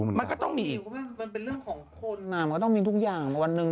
เสียกำลังมารอเสร็จมาต่อไอ้หนิง